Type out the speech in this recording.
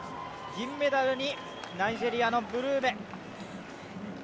銀メダルにナイジェリアのブルーメ。